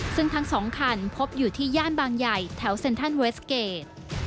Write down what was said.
ซึ่งทั้ง๒ขันต์พบอยู่ที่ย่างบางใหญ่แถวเซคเกจ